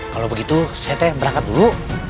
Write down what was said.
kalau begitu sete berangkat dulu